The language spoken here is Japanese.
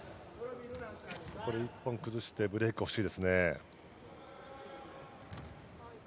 一本崩してブレイクほしいですね。